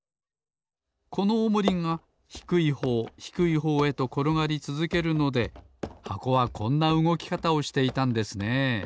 このおもりがひくいほうひくいほうへところがりつづけるので箱はこんなうごきかたをしていたんですねえ。